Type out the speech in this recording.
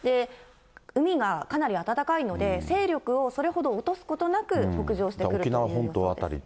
海がかなり暖かいので、勢力をそれほど落とすことなく北上してくる予想です。